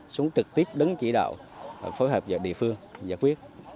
xuống trực tiếp đứng chỉ đạo và phối hợp với địa phương giải quyết